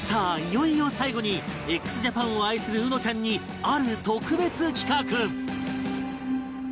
いよいよ最後に ＸＪＡＰＡＮ を愛するうのちゃんにある特別企画！